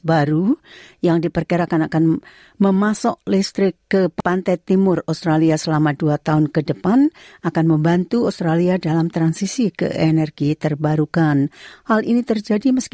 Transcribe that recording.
pemerintah pertama ini menanggapi pengumuman terhadap pemerintah pertama ini dan menegakkan rakyat israel